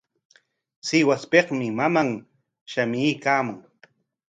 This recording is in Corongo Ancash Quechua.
Sihuaspikmi maman shamuykaamun.